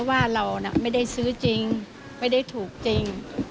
เพราะว่าเราไม่ได้ซื้อจริงไม่ได้ถูกจริง